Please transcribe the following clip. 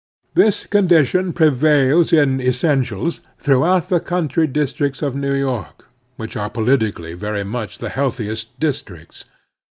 This condition prevails in essentials throughout the country districts of New York, which are polit ically very much the healthiest districts.